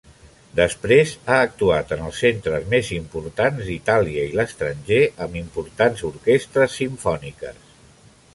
Després ha actuat en els centres més importants d'Itàlia i l'estranger, amb importants orquestres simfòniques.